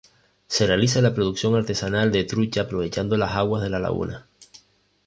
Se realiza la producción artesanal de trucha aprovechando las aguas de la laguna.